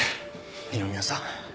二宮さん。